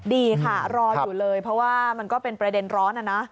ดีค่ะรออยู่เลยเพราะว่ามันก็เป็นประเด็นร้อนนะนะ